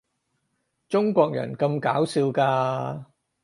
中國人咁搞笑㗎